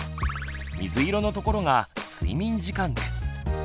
水色のところが睡眠時間です。